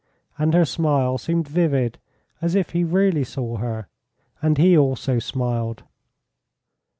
and her smile seemed vivid as if he really saw her, and he also smiled.